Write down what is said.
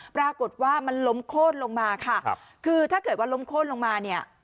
ปรากฏว่ามันล้มโค้นลงมาค่ะครับคือถ้าเกิดว่าล้มโค้นลงมาเนี่ย